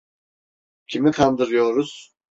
Kimi kandırıyoruz?